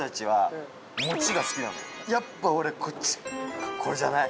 やっぱ俺こっちかこれじゃない？